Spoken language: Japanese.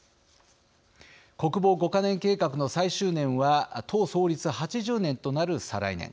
国防５か年計画の最終年は党創立８０年となる再来年。